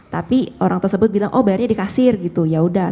tapi orang tersebut bilang oh bayarnya dikasir gitu yaudah